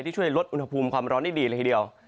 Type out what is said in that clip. ช่วยลดอุณหภูมิความร้อนได้ดีเลยทีเดียว